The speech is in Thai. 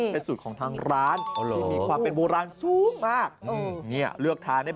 เป็นสูตรของทางร้านที่มีความเป็นโบราณสูงมากอืมเนี่ยเลือกทานได้